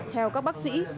theo các bác sĩ